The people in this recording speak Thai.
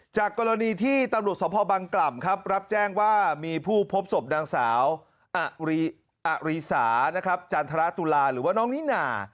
จากกรณีที่ตำรวจสมภาพบังกล่ำรับแจ้งว่ามีผู้พบสมดังสาวอรี๋สาจันทราตุลาหรือน้องนิน่า